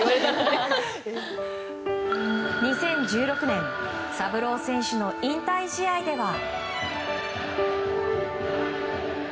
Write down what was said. ２０１６年サブロー選手の引退試合では。